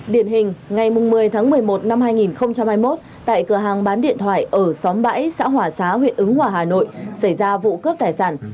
điển hình ngày một mươi tháng một mươi một năm hai nghìn hai mươi một tại cửa hàng bán điện thoại ở xóm bãi xã hòa xá huyện ứng hòa hà nội xảy ra vụ cướp tài sản